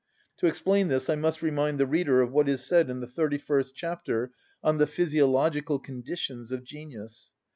To explain this I must remind the reader of what is said in the thirty‐first chapter on the physiological conditions of genius.